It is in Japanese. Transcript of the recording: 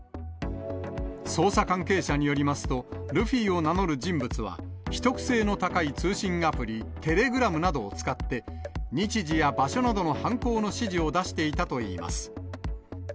捜査関係者によりますと、ルフィを名乗る人物は、秘匿性の高い通信アプリ、テレグラムなどを使って、日時や場所などの犯行の指示を出していたといいます。